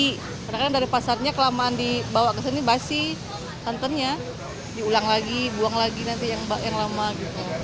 kadang kadang dari pasarnya kelamaan dibawa ke sini basi santannya diulang lagi buang lagi nanti yang lama gitu